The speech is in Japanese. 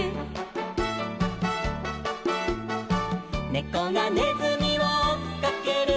「ねこがねずみをおっかける」